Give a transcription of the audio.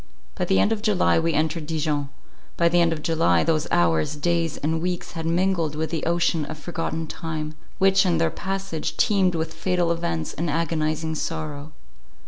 By the end of July we entered Dijon; by the end of July those hours, days, and weeks had mingled with the ocean of forgotten time, which in their passage teemed with fatal events and agonizing sorrow.